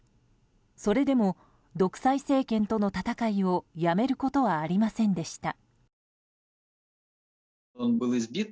それでも独裁政権との闘いをやめることはありませんでした。